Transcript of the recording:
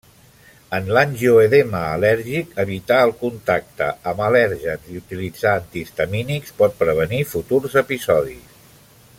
En l'angioedema al·lèrgic, evitar el contacte amb al·lèrgens i utilitzar antihistamínics pot prevenir futurs episodis.